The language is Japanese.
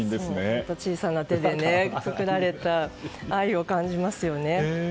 本当に小さな手で作られた愛を感じますよね。